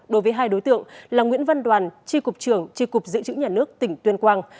đối với hai đối tượng là nguyễn văn đoàn tri cục trưởng tri cục giữ chữ nhà nước tỉnh tuyên quang